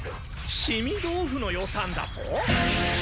しみどうふの予算だと？